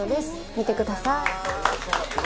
見てください。